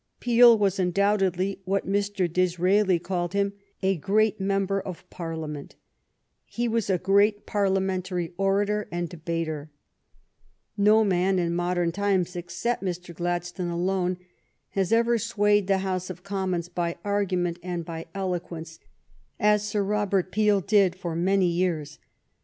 Peel was undoubtedly, what Mr. Disraeli called him, a "great member of Parliament." He was a great Parliamentary orator GLADSTONE'S FIRST PARLIAMENT 37 and debater. No man in modern times, except Mr. Gladstone alone, has ever swayed the House of Commons by argument and by eloquence as Sir Robert Peel did for many years.